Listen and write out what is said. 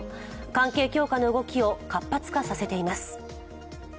関係強化の動きを活発化させています。